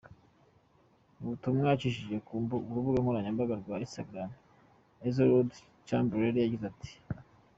Mu butumwa yacishije ku rubuga nkoranyambaga rwa Instagram, Oxlade-Chamberlain yagize ati: .